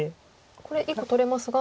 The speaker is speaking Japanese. これ１個取れますが。